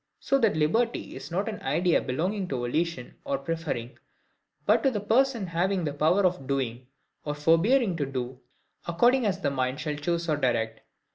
So that liberty is not an idea belonging to volition, or preferring; but to the person having the power of doing, or forbearing to do, according as the mind shall choose or direct.